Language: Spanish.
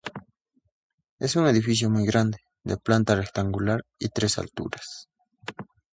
Es un edificio muy grande, de planta rectangular y tres alturas.